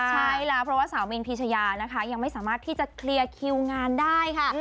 ใช่แล้วเพราะว่าสาวมินพีชยานะคะยังไม่สามารถที่จะเคลียร์คิวงานได้ค่ะ